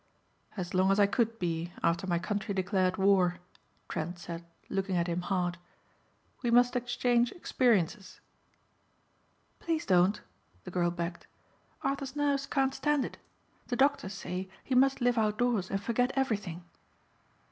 "As long as I could be after my country declared war," Trent said looking at him hard. "We must exchange experiences." "Please don't," the girl begged, "Arthur's nerves can't stand it. The doctors say he must live outdoors and forget everything."